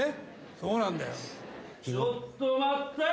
そうなんだよ。